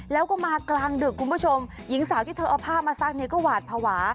แล้วก็มากลางดึกคุณผู้ชมหญิงสาวที่เธอเอาผ้ามาซักเนี่ยก็หวาดภาวะ